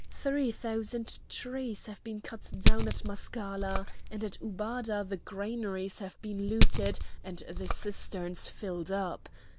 Three thousand trees have been cut down at Maschala, and at Ubada the granaries have been looted and the cisterns filled up!